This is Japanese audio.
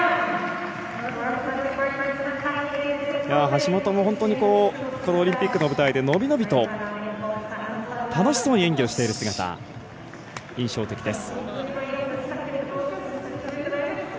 橋本も本当にこのオリンピックの舞台で伸び伸びと楽しそうに演技をしている姿印象的です。